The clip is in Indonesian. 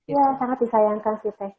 oke ya sangat disayangkan sih teh